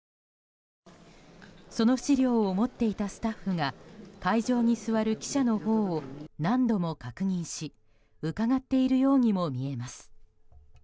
その資料を持っていたスタッフが会場に座る記者のほうを何度も確認しうかがっているようにも見えます。